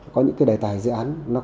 có những cái đề tài dự án